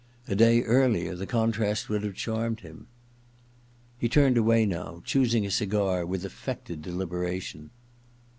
A day earlier the contrast would have charmed him. He turned away now, choosing a cigar with affected deliberation.